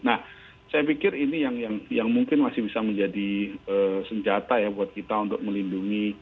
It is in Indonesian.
nah saya pikir ini yang mungkin masih bisa menjadi senjata ya buat kita untuk melindungi